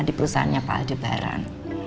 di perusahaannya pak aldebaran